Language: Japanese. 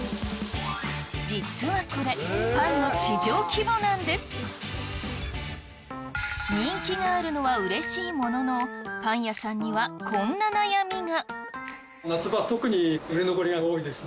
実はこれ人気があるのはうれしいもののパン屋さんにはこんな悩みが。